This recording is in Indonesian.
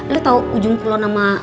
lo tau ujung pulau nama